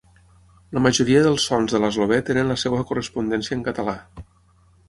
La majoria dels sons de l'eslovè tenen la seva correspondència en català.